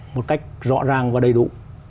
một cách rõ ràng và đầy đủ